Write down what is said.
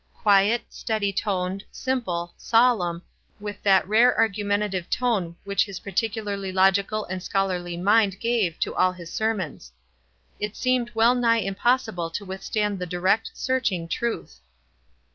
Quiet, steady toned, simple, sol emu, with that rare argumentative tone which his peculiarly logical and scholarly mind gave to all his sermons. It seemed well nigh impossible to withstand the direct, searching truth.